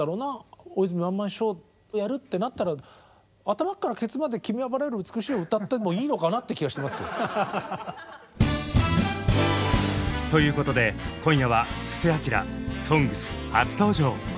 ワンマンショーやるってなったら頭からケツまで「君は薔薇より美しい」を歌ってもいいのかなって気がしてますよ。ということで今夜は布施明「ＳＯＮＧＳ」初登場。